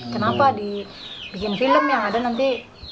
kenapa dibikin film yang ada nanti